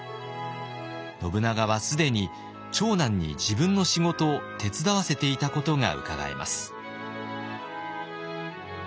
信長は既に長男に自分の仕事を手伝わせていたことがうかがえます。